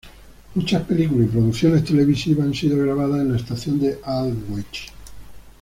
Muchas películas y producciones televisivas han sido grabadas en la estación de Aldwych.